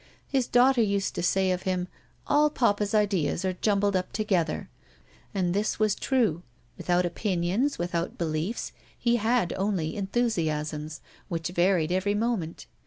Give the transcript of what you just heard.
His daughter used to say of him: "All papa's ideas are jumbled up together"; and this was true. Without opinions, without beliefs, he had only enthusiasms, which varied every moment.